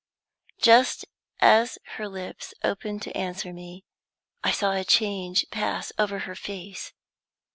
Just as her lips opened to answer me I saw a change pass over her face.